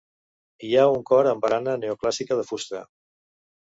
Hi ha un cor amb barana neoclàssica de fusta.